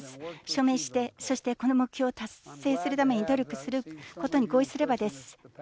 署名して、そしてこの目標を達成するために努力することに合意すればです。